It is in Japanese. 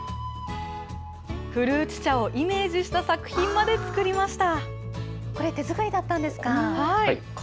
古内茶をイメージした作品まで作りました。